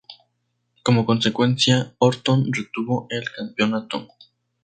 Como consecuencia, Orton retuvo el campeonato.